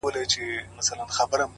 پټ کي څرگند دی!